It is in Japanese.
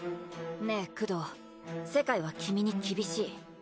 ねえクドー世界は君に厳しい